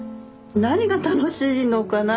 何が楽しいのかな。